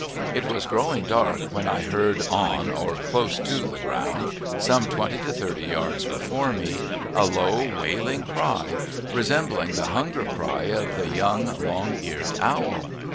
It was growing dark when I heard on or close to the ground, some twenty to thirty yards before me, a low, wailing cry, resembling the hunger cry of the young, long eared owl.